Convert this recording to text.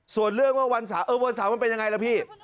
ส่วนเรื่องว่าวันเสาร์เออวันเสาร์มันเป็นยังไงล่ะพี่